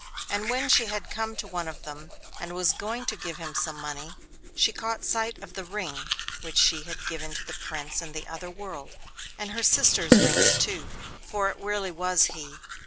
And when she had come to one of them, and was going to give him some money, she caught sight of the ring which she had given to the Prince in the other world, and her sisters' rings too—for it really was he.